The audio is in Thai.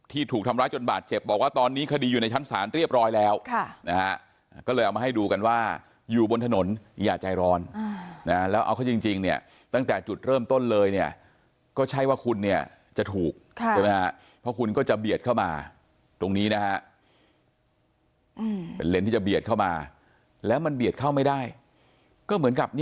ถูกทำร้ายจนบาดเจ็บบอกว่าตอนนี้คดีอยู่ในชั้นศาลเรียบร้อยแล้วนะฮะก็เลยเอามาให้ดูกันว่าอยู่บนถนนอย่าใจร้อนนะแล้วเอาเขาจริงเนี่ยตั้งแต่จุดเริ่มต้นเลยเนี่ยก็ใช่ว่าคุณเนี่ยจะถูกใช่ไหมฮะเพราะคุณก็จะเบียดเข้ามาตรงนี้นะฮะเป็นเลนส์ที่จะเบียดเข้ามาแล้วมันเบียดเข้าไม่ได้ก็เหมือนกับ